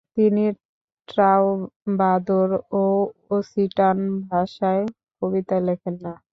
তিনি ট্রাউবাদোর বা ওসিটান ভাষায় কবিতা লেখেন না।